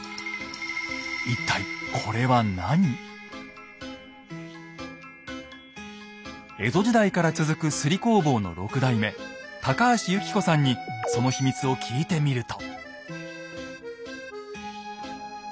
一体江戸時代から続く摺り工房の６代目高橋由貴子さんにその秘密を聞いてみると。